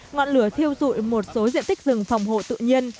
ngọn lửa thiêu dụi một số diện tích rừng phòng hộ tự nhiên